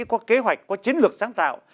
có kế hoạch có chiến lược sáng tạo